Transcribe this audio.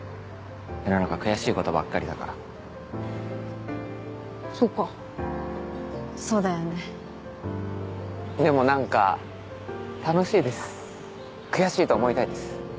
世の中悔しいことばっかりだからそうかそうだよねでもなんか楽しいです悔しいと思いたいです